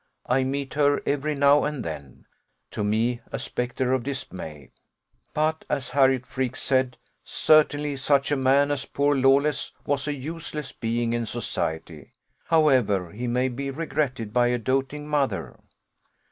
I meet her every now and then to me a spectre of dismay. But, as Harriot Freke said, certainly such a man as poor Lawless was a useless being in society, however he may be regretted by a doting mother.